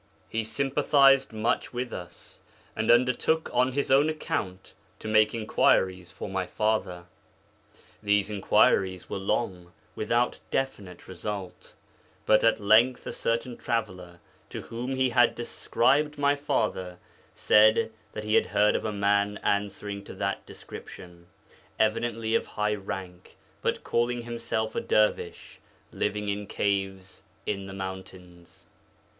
He sympathized much with us, and undertook on his own account to make inquiries for my father. These inquiries were long without definite result, but at length a certain traveller to whom he had described my father said that he had heard of a man answering to that description, evidently of high rank, but calling himself a dervish, living in caves in the mountains.